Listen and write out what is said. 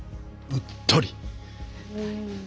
うっとり。